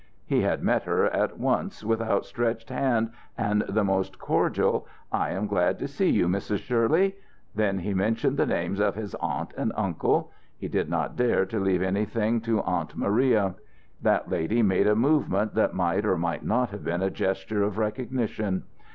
He had met her at once with outstretched hand and the most cordial, "I am glad to see you, Mrs. Shirley." Then he mentioned the names of his aunt and uncle. He did not dare to leave anything to Aunt Maria. That lady made a movement that might or might not have been a gesture of recognition.